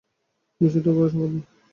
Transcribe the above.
বিষয়টা বড়ো সংকটময়।